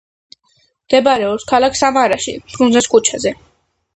მდებარეობს ქალაქ სამარაში ფრუნზეს ქუჩაზე.